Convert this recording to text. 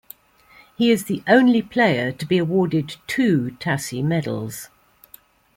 He is the only player to be awarded two Tassie Medals.